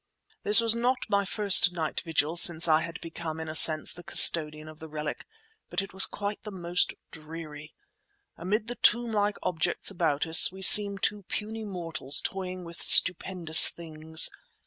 This was not my first night vigil since I had become in a sense the custodian of the relic, but it was quite the most dreary. Amid the tomb like objects about us we seemed two puny mortals toying with stupendous things.